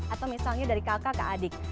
atau misalnya dari kakak ke adik